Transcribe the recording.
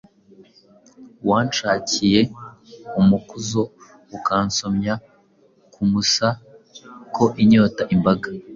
wanshakiye umukuzo ukansomya ku musa ko inyota imbaga